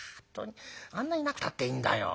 あんないなくたっていいんだよ。